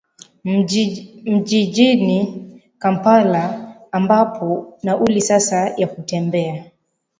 mjijini kampala ambapo nauli sasa ya kutembea